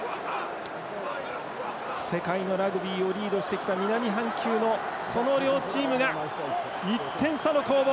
世界のラグビーをリードしてきた南半球のこの両チームが、１点差の攻防。